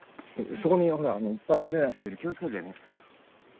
そこにほらいっぱい群れなしてる気をつけてね。